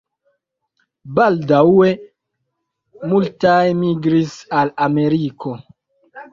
Baldaŭe multaj migris al Ameriko.